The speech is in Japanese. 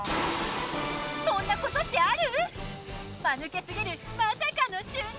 そんなことってある？